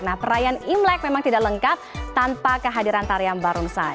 nah perayaan imlek memang tidak lengkap tanpa kehadiran tarian barongsai